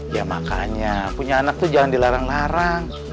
ya makanya punya anak tuh jangan dilarang larang